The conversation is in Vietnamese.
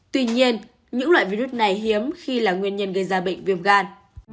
tuy nhiên những loại virus này hiếm khi là nguyên nhân gây ra bệnh viêm gan